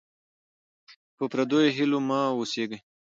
په پردیو هیلو مه اوسېږئ.